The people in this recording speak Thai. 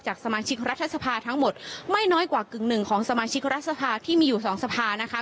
สมาชิกรัฐสภาทั้งหมดไม่น้อยกว่ากึ่งหนึ่งของสมาชิกรัฐสภาที่มีอยู่สองสภานะคะ